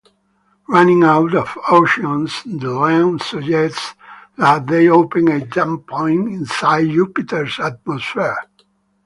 Running out of options, Delenn suggests that they open a jumppoint inside Jupiter's atmosphere.